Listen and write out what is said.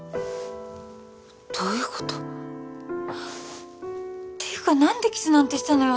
どういうこと？っていうか何でキスなんてしたのよ？